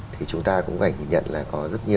thì chúng ta cũng phải nhìn nhận là có rất nhiều